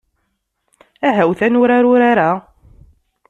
Ahawt ad nurar urar-a.